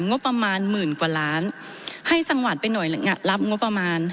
งบประมาณหมื่นกว่าล้านให้จังหวัดไปหน่อยรับงบประมาณ